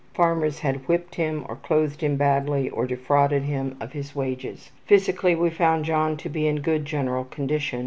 Farmers had whipped him, or clothed him badly, or defrauded him of his wages. Physically, we found John to be in good general condition.